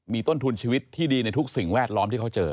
มีต้นทุนชีวิตที่ดีในทุกสิ่งแวดล้อมที่เขาเจอ